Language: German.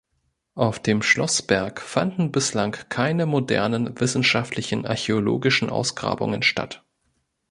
Auf dem Schlossberg fanden bislang keine modernen wissenschaftlichen archäologischen Ausgrabungen statt.